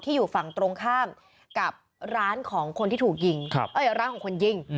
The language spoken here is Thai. อยู่ฝั่งตรงข้ามกับร้านของคนที่ถูกยิงร้านของคนยิง